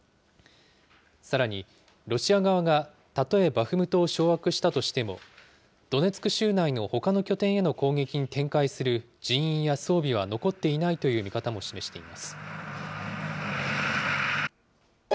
さらにロシア側がたとえバフムトを掌握したとしても、ドネツク州内のほかの拠点への攻撃に展開する人員や装備は残っていないという見方も示しています。